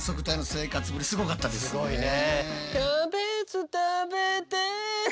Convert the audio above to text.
すごいね。